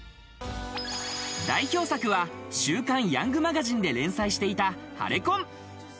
代表作は『週刊ヤングマガジン』で連載していた『ハレ婚。』。